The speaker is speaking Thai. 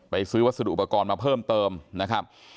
ซื้อวัสดุอุปกรณ์มาเพิ่มเติมนะครับ